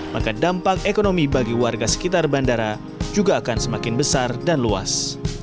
maka dampak ekonomi bagi warga sekitar bandara juga akan semakin besar dan luas